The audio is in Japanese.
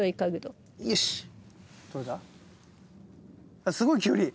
あっすごいキュウリ。